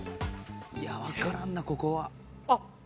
いやわからんなここは。